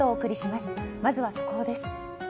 まずは速報です。